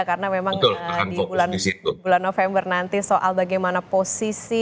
karena memang di bulan november nanti soal bagaimana posisi